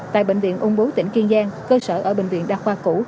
tại bệnh viện ung bú tỉnh kiên giang cơ sở ở bệnh viện đa khoa cũ